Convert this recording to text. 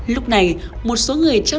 lúc này một số người trong nhà trọ